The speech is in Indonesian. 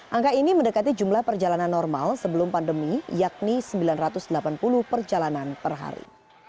angka ini mendekati jumlah perjalanan normal sebelum pandemi yakni sembilan ratus delapan puluh perjalanan per hari